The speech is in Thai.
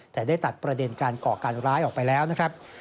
แต่ได้ตัดประเด็นการก่อการร้ายออกไปแล้วนะครับ